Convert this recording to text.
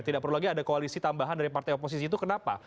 tidak perlu lagi ada koalisi tambahan dari partai oposisi itu kenapa